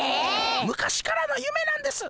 昔からのゆめなんです。